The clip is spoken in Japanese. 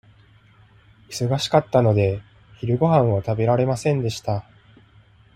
忙しかったので、昼ごはんを食べられませんでした。